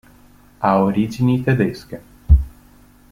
Ha origini tedesche.